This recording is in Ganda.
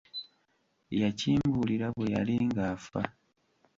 Yakimbuulira bwe yali ng'afa.